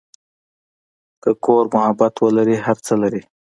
که کور محبت ولري، هر څه لري.